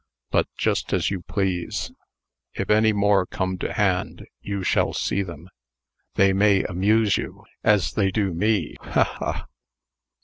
But just as you please. If any more come to hand, you shall see them. They may amuse you, as they do me. Ha! ha!"